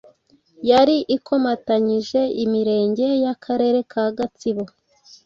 yari ikomatanyije Imirenge y’Akarere ka Gatsibo,